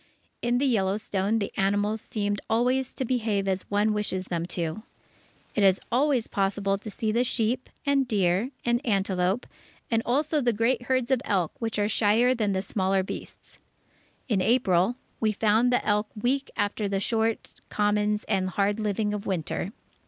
In the Yellowstone, the animals seem always to behave as one wishes them to! It is always possible to see the sheep, and deer, and antelope, and also the great herds of elk, which are shyer than the smaller beasts. In April, we found the elk weak after the short commons and hard living of Winter.